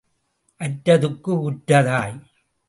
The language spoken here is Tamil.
அற்றதுக்கு உற்ற தாய்.